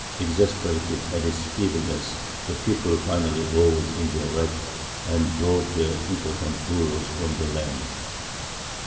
Exasperated at its feebleness, the people finally rose in their wrath and drove their impotent rulers from the land.